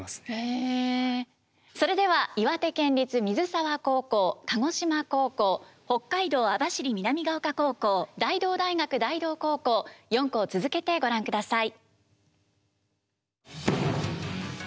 それでは岩手県立水沢高校鹿児島高校北海道網走南ケ丘高校大同大学大同高校４校続けてご覧ください。